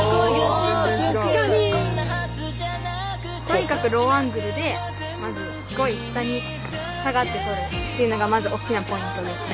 とにかくローアングルでまずすごい下に下がって撮るっていうのがまず大きなポイントですね。